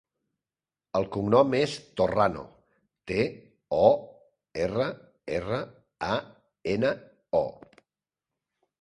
El cognom és Torrano: te, o, erra, erra, a, ena, o.